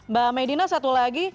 mbak medina satu lagi